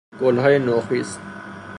گلهای نوخیز